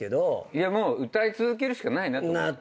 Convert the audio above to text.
いやもう歌い続けるしかないなと。